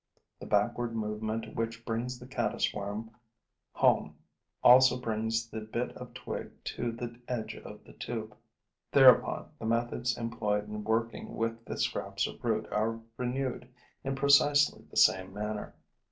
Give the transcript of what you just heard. The backward movement which brings the caddis worm home also brings the bit of twig to the edge of the tube. Thereupon, the methods employed in working with the scraps of root are renewed in precisely the same manner.